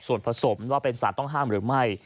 ส่วนผสมว่าเป็นสารต้องห้ามหรือไม่